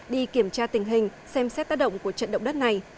đi kiểm tra tình hình xem xét tác động của trận động đất này